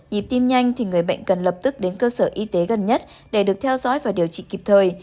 i tim nhanh thì người bệnh cần lập tức đến cơ sở y tế gần nhất để được theo dõi và điều trị kịp thời